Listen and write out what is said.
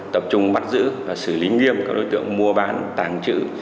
tập trung bắt giữ và xử lý nghiêm các đối tượng mua bán tàng trữ